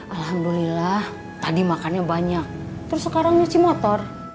alhamdulillah tadi makannya banyak terus sekarang nyuci motor